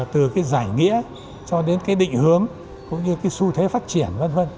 từ cái giải nghĩa cho đến cái định hướng cũng như cái xu thế phát triển v v